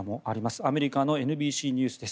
アメリカのＮＢＣニュースです。